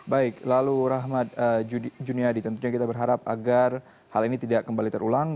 baik lalu rahmat juniadi tentunya kita berharap agar hal ini tidak kembali terulang